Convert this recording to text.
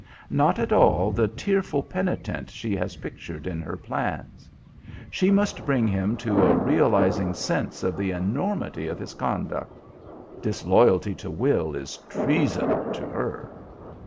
Not at all the tearful penitent she has pictured in her plans. She must bring him to a realizing sense of the enormity of his conduct. Disloyalty to Will is treason to her.